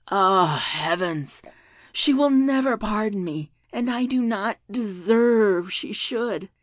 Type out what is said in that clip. Ah, heavens! she will never pardon me, and I do not deserve she should!"